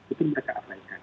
itu mereka abaikan